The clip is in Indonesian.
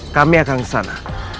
kami akan kesana